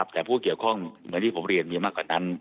แต่ผู้เกี่ยวข้องเหมือนที่ผมเรียนมีมากกว่านั้น